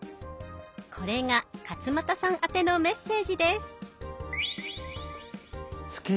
これが勝俣さんあてのメッセージです。